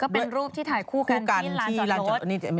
ก็เป็นรูปที่ถ่ายคู่กันที่ลานจอดโลศ